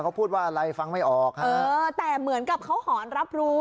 เขาพูดว่าอะไรฟังไม่ออกฮะเออแต่เหมือนกับเขาหอนรับรู้